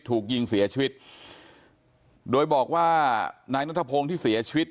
ถูกยิงเสียชีวิตโดยบอกว่านายนัทพงศ์ที่เสียชีวิต